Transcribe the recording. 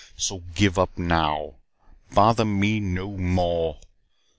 So give up now. Bother me no more.